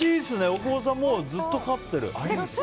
大久保さんずっと勝っている。